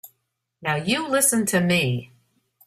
Now you listen to me.